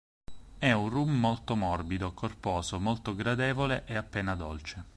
È un rum molto morbido, corposo, molto gradevole e appena dolce.